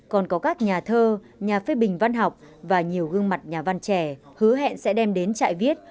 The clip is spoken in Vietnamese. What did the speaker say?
còn có các nhà thơ nhà phê bình văn học và nhiều gương mặt nhà văn trẻ hứa hẹn sẽ đem đến trại viết